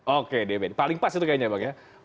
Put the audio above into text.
oke dbd paling pas itu kayaknya bang ya